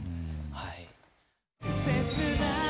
はい。